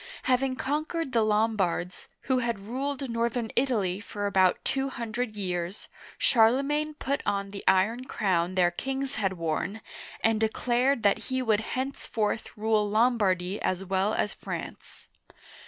Having conquered the Lombards, — who had ruled northern Italy for about two hundred years, — Charle magne put on the iron crown their kings had worn, and declared that he would henceforth rule LomlDardy as well as France.